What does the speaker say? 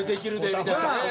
みたいな。